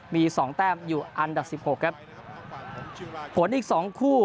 มีสองแต้มอยู่อันดับสิบหกครับผลอีกสองคู่